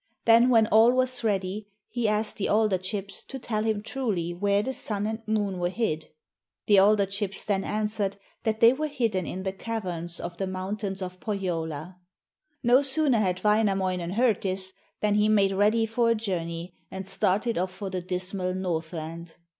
Then when all was ready, he asked the alder chips to tell him truly where the sun and moon were hid. The alder chips then answered, that they were hidden in the caverns of the mountains of Pohjola. No sooner had Wainamoinen heard this, than he made ready for a journey and started off for the dismal Northland.